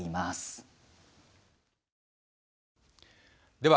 では